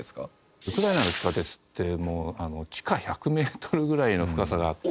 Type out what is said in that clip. ウクライナの地下鉄って地下１００メートルぐらいの深さがあって。